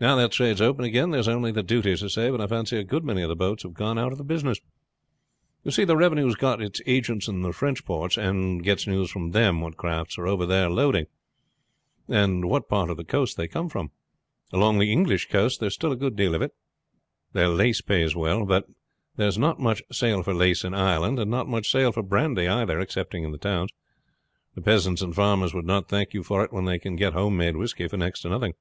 Now that trade is open again there is only the duty to save, and I fancy a good many of the boats have gone out of the business. You see, the revenue has got its agents in the French ports, and gets news from them what craft are over there loading, and what part of the coast they come from. Along the English coast there is still a good deal of it. There lace pays well; but there is not much sale for lace in Ireland, and not much sale for brandy either, excepting in the towns. The peasants and farmers would not thank you for it when they can get home made whisky for next to nothing."